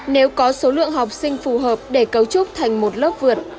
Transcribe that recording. nếu có số lượng học sinh phù hợp để cấu trúc thành một lớp vượt